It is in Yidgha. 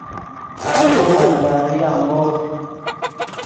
آلو مالداری امبوخ